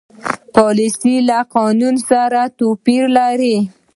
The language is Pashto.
پالیسي له قانون سره توپیر لري.